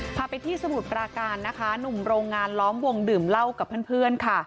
พาไปที่สมุทรปราการนะคะหนุ่มโรงงานล้อมวงดื่มเหล้ากับเพื่อนค่ะ